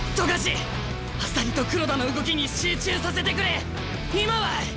朝利と黒田の動きに集中させてくれ今は！